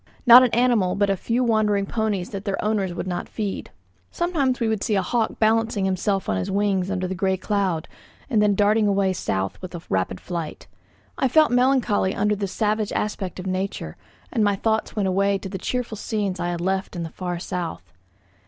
Not an animal but a few wandering ponies that their owners would not feed. Sometimes we could see a hawk balancing himself on his wings under the grey cloud, and then darting away south with rapid flight. I felt melancholy under this savage aspect of nature, and my thoughts went away to the cheerful scenes I had left in the far south.